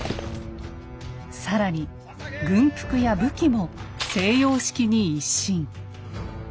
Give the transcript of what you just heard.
更に軍服や武器も西洋式に一新。